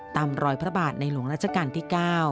ตามรอยพระบาทในหลวงราชการที่๙